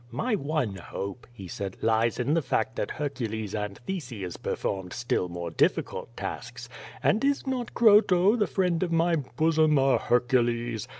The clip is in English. My one hope," he said, "lies in the fact that Hercules and Theseus performed still more dilHcult tasks. And is not Croto, the friend of my bosom, a Hercules?